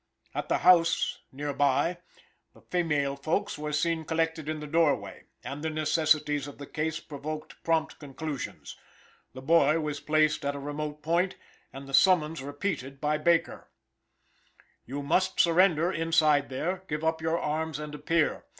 At the house near by the female folks were seen collected in the doorway, and the necessities of the case provoked prompt conclusions. The boy was placed at a remote point, and the summons repeated by Baker: "You must surrender inside there. Give up your arms and appear.